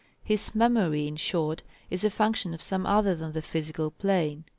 His memory in short, is a function of some other than the physical plane.